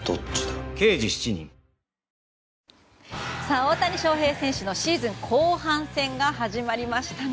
大谷翔平選手のシーズン後半戦が始まりましたね。